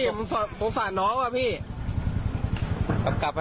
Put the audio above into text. เขาไม่คอยพูดเองว่าอยากไปยุ่งกับลูกเขา